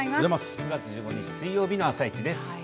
９月１５日水曜日の「あさイチ」です。